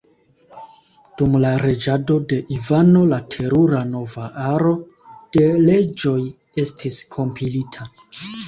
Dum la reĝado de Ivano la Terura nova aro de leĝoj estis kompilita.